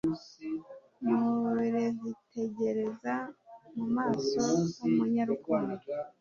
Mu levitegereza mu maso h'umunyarukundo,